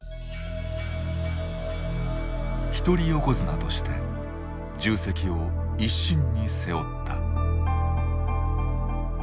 一人横綱として重責を一身に背負った。